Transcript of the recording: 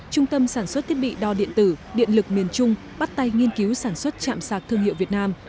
trung tâm sản xuất thiết bị đo điện tử điện lực miền trung bắt tay nghiên cứu sản xuất chạm sạc thương hiệu việt nam